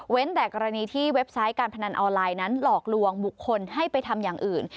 แต่กรณีที่เว็บไซต์การพนันออนไลน์นั้นหลอกลวงบุคคลให้ไปทำอย่างอื่น